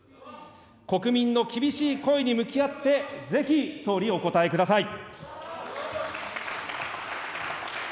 国民の厳しい声に向き合って、ぜひ総理、お答えください。